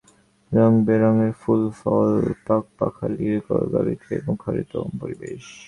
হরেক রকমের গাছগাছালির সঙ্গে রংবেরঙের ফুল, ফল, পাখপাখালির কলকাকলিতে মুখরিত পরিবেশ।